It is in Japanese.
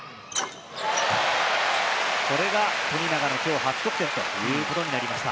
これが富永のきょう初得点ということになりました。